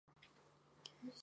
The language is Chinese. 于是瓦岗军日盛。